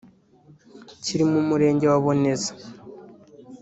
kiri mu murenge wa Boneza